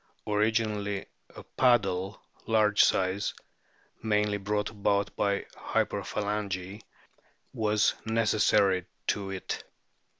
Originally a paddle, large size mainly brought about by hyperphalangy was necessary to it.